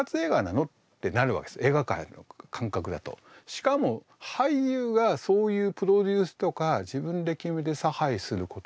しかも俳優がそういうプロデュースとか自分で決めて差配することはまかりならぬ。